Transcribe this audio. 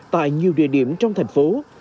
tại nhiều địa điểm trong thành phố